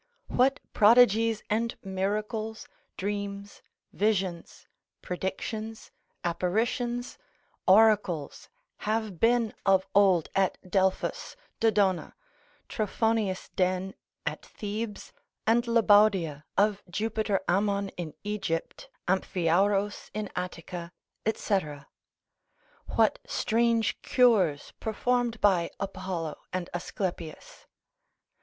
What prodigies and miracles, dreams, visions, predictions, apparitions, oracles, have been of old at Delphos, Dodona, Trophonius' den, at Thebes, and Lebaudia, of Jupiter Ammon in Egypt, Amphiaraus in Attica, &c. what strange cures performed by Apollo and Aesculapius?